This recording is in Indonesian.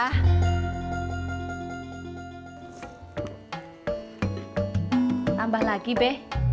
tambah lagi be